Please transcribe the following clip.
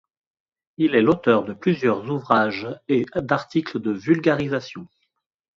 Il est l'auteur de plusieurs ouvrages et d'articles de vulgarisation.